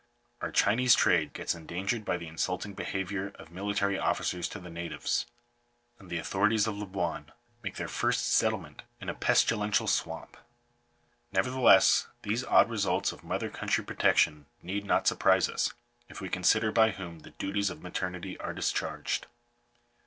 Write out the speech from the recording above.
Our Chinese trade gets endangered by the insulting behaviour of military Digitized by VjOOQIC 366 GOVERNMENT COLONIZATION. officers to the natives ; and the authorities of Labuan make their first settlement in a pestilential swamp. Nevertheless, these odd results of mother country protection need not surprise us, if we consider by whom the duties of maternity are discharged.